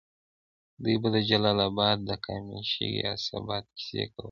دوی به د جلال اباد د کامې، شګۍ، اسداباد کیسې کولې.